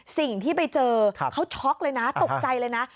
สิ่งที่ไปเจอเขาช็อกเลยนะตกใจเลยนะ